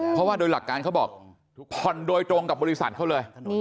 เพราะว่าโดยหลักการเขาบอกผ่อนโดยตรงกับบริษัทเขาเลย